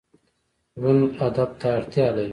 ژوند هدف ته اړتیا لري